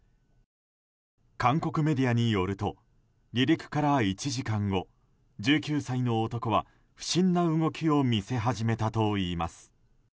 韓国メディアによると離陸から１時間後、１９歳の男は不審な動きを見せ始めたといいます。